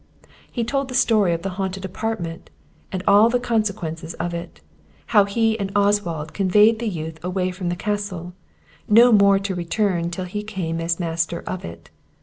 He told the story of the haunted apartment, and all the consequences of it; how he and Oswald conveyed the youth away from the Castle, no more to return till he came as master of it.